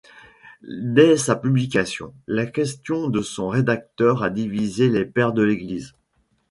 Dès sa publication, la question de son rédacteur a divisé les Pères de l'Église.